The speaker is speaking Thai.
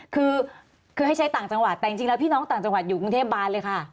คือคือให้ใช้ต่างจังหวัดแต่จริงแล้วพี่น้องต่างจังหวัดอยู่กรุงเทพบานเลยค่ะ